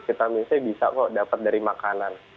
vitamin c bisa kok dapat dari makanan